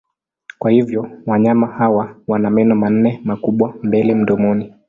Kwa hivyo wanyama hawa wana meno manne makubwa mbele mdomoni.